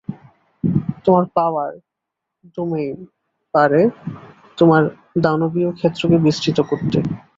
তোমার power, domain, পারে তোমার দানবীয় ক্ষেত্রকে বিস্তৃত করতে।